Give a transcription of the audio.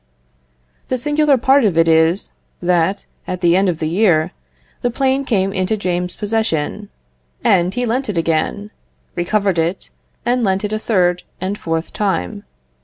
The singular part of it is, that, at the end of the year, the plane came into James's possession, and he lent it again; recovered it, and lent it a third and fourth time.